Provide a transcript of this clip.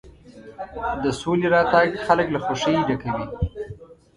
د سولې راتګ خلک له خوښۍ ډکوي.